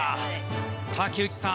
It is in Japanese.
竹内さん